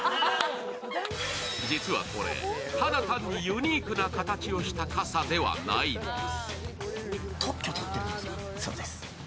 実はこれ、ただ単にユニークな形をした傘ではないんです。